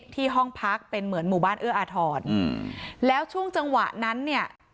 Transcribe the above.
ห้องพักเป็นเหมือนหมู่บ้านเอื้ออาทรอืมแล้วช่วงจังหวะนั้นเนี่ย